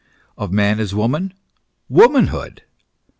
Of man as woman? Womanhood.